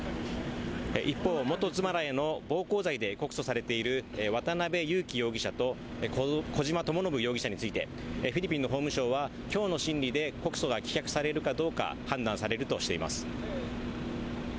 一方、元妻らへの暴行罪で告訴されている渡辺優樹容疑者と小島智信容疑者についてフィリピンの法務省は今日の審理で告訴が棄却されるかどうか判断されるとしています。